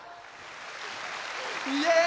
イエーイ！